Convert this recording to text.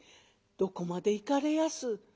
「どこまで行かれやす？」。